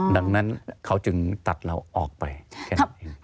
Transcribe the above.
ดังนั้นเขาจึงตัดเราออกไปแค่นั้นเอง